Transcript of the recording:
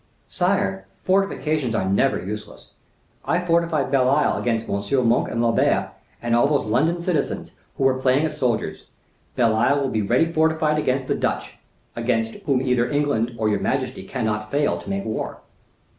"Sire, fortifications are never useless. I fortified Belle Isle against MM. Monk and Lambert and all those London citizens who were playing at soldiers. Belle Isle will be ready fortified against the Dutch, against whom either England or your majesty cannot fail to make war."